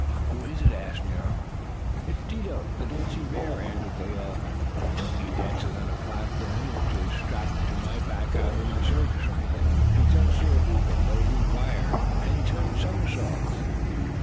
"Who is it?" asked Nero. "Dido, the dancing bear," answered the elephant. "He dances on a platform, which is strapped to my back out in the circus rings; he jumps through a hoop of blazing fire; and he turns somersaults."